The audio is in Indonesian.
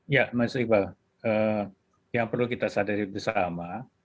ya mas iqbal yang perlu kita sadari bersama